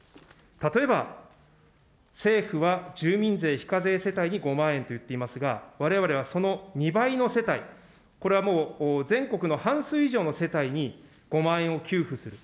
例えば政府は住民税非課税世帯に５万円と言っていますが、われわれはその２倍の世帯、これはもう、全国の半数以上の世帯に５万円を給付する。